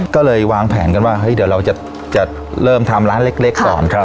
ก็เลยวางแผนกันว่าเฮ้ยเดี๋ยวเราจะเริ่มทำร้านเล็กก่อน